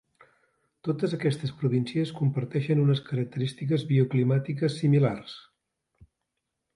Totes aquestes províncies comparteixen unes característiques bioclimàtiques similars.